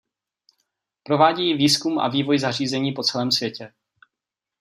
Provádějí výzkum a vývoj zařízení po celém světě.